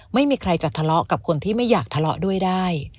ไม่มีใครจะทะเลาะกับคนที่ไม่อยากทะเลาะด้วยได้